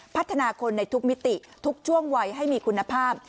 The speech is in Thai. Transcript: พัฒนาคนในทุกมิติทุกช่วงวัยให้มีคุณภาพ